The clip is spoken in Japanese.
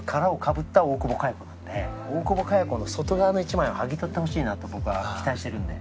大久保佳代子の外側の１枚を剥ぎ取ってほしいなと僕は期待してるんで。